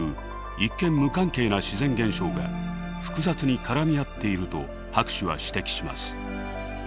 無関係な自然現象が複雑に絡み合っていると博士は指摘します。